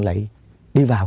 lại đi vào